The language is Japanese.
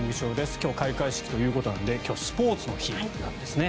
今日、開会式ということなので今日はスポーツの日なんですね。